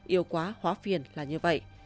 yêu quá hóa phiền là như vậy